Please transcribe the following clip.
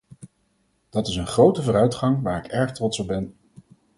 Dat is een grote vooruitgang waar ik erg trots op ben.